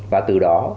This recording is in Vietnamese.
và từ đó người ta